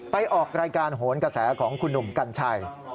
ออกรายการโหนกระแสของคุณหนุ่มกัญชัย